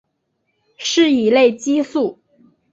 是一类激素。